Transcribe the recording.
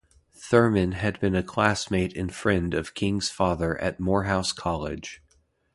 Thurman had been a classmate and friend of King's father at Morehouse College.